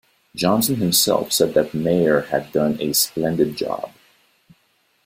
Johnson himself said that Mair had done a "splendid job".